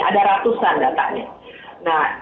ada ratusan datanya